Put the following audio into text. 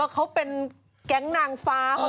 เขาเป็นแก๊งนางฟ้า